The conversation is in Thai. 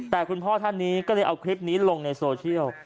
แต่คุณพ่อท่านนี้ก็เลยเอาคลิปนี้ลงในโซเชียล